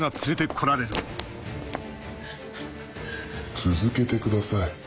続けてください。